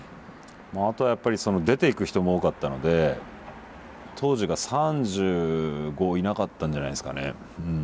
あとはやっぱりその出ていく人も多かったので当時が３５いなかったんじゃないですかね。